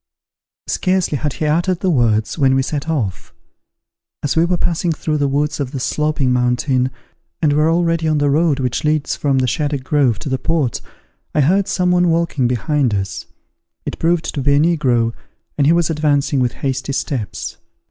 Scarcely had he uttered the words, when we set off. As we were passing through the woods of the Sloping Mountain, and were already on the road which leads from the Shaddock Grove to the port, I heard some one walking behind us. It proved to be a negro, and he was advancing with hasty steps.